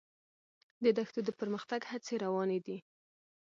د دښتو د پرمختګ هڅې روانې دي.